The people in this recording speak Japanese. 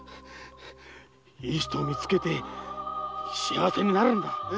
いい人を見つけて幸せになるんだ。